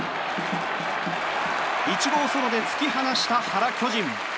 １号ソロで突き放した原巨人。